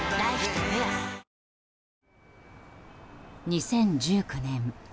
２０１９年